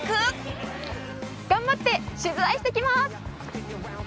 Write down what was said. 頑張って取材してきまーす！